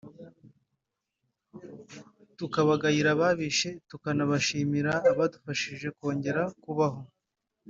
tukabagayira ababishe tukanabashimira abadufasha kongera kubaho